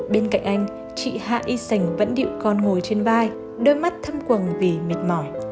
bên cạnh anh chị hạ y sành vẫn điệu con ngồi trên vai đôi mắt thâm quầng vì mệt mỏi